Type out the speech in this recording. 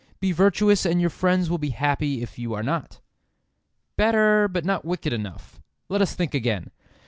Be virtuous and your friends will be happy if you are not. "Better, but not wicked enough. Let us think again.